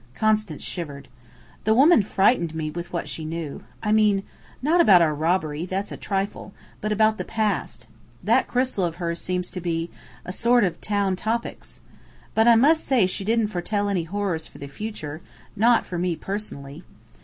Constance shivered. "The woman frightened me with what she knew. I mean, not about our robbery that's a trifle but about the past. That crystal of hers seems to be a sort of Town Topics. But I must say she didn't foretell any horrors for the future not for me personally.